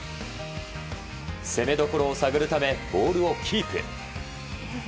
攻めどころを探るためボールをキープ。